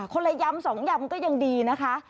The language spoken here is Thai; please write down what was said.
คนละยำ๒ยำก็ยังดีนะคะ